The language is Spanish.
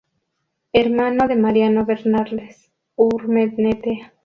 Hermano de Mariano Bernales Urmeneta.